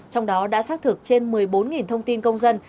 trong đó đã xác thực trên một mươi bốn thông tin công dân